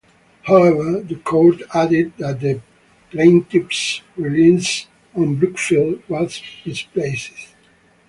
However, the court added that the Plaintiff's reliance on "Brookfield" was misplaced.